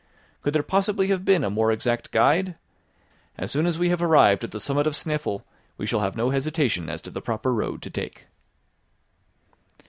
Could there possibly have been a more exact guide? As soon as we have arrived at the summit of Snæfell we shall have no hesitation as to the proper road to take."